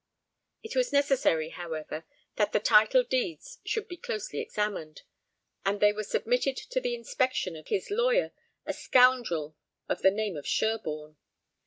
It was necessary, however, that the title deeds should be closely examined, and they were submitted to the inspection of his lawyer, a scoundrel of the name of Sherborne.